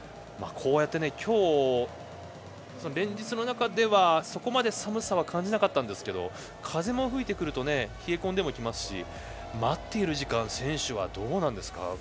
こうやって今日、連日の中ではそこまで寒さは感じなかったんですけど風も吹いてくると冷え込んでもきますし待っている時間選手はどうなんでしょうか。